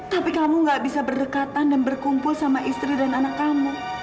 tapi kamu gak bisa berdekatan dan berkumpul sama istri dan anak kamu